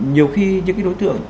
nhiều khi những đối tượng